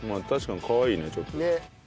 確かにかわいいねちょっと。